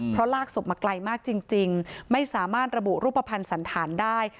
เพราะลากศพมาไกลมากจริงไม่สามารถระบุรูปภัณฑ์สันธารได้